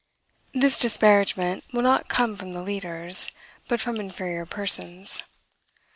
This disparagement will not come from the leaders, but from inferior persons.